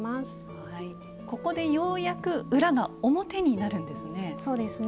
ここでようやく裏が表になるんですね。